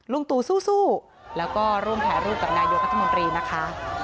ตู่สู้แล้วก็ร่วมถ่ายรูปกับนายกรัฐมนตรีนะคะ